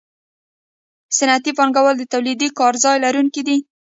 صنعتي پانګوال د تولیدي کارځای لرونکي دي